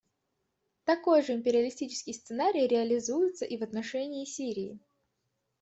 Такой же империалистический сценарий реализуется и в отношении Сирии.